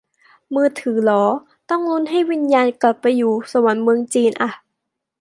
มือถือเหรอ ต้องลุ้นให้วิญญาณกลับไปอยู่สวรรค์เมืองจีนอ่ะ